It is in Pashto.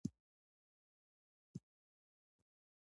انګریزان خپله خولۍ ایسته کوي.